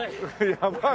やばい。